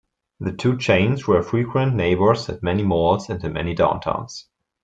The two chains were frequent neighbors at many malls and in many downtowns.